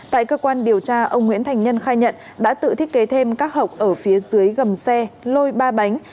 tại cơ quan điều tra ông nguyễn thành nhân khai nhận đã tự thiết kế thêm các hộp ở phía dưới gầm xe lôi ba bánh